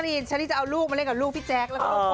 พี่แจ๊กมีลูกเหรอ